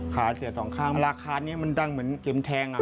ขาเสียสองข้างราคานี้มันดังเหมือนเข็มแทงอ่ะ